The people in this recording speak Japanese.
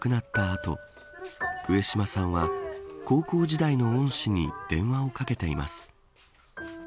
あと上島さんは高校時代の恩師に電話をかけています。